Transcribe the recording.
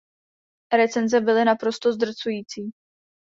Recenze byly naprosto zdrcující.